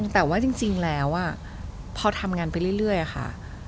แต่ว่าจริงแล้วพอทำงานไปเรื่อยค่ะ